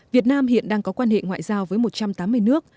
việt nam hiện đang có quan hệ ngoại giao với một trăm tám mươi nước